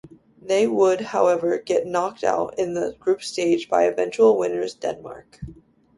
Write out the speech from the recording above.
They would, however, get knocked out in the group stage by eventual winners Denmark.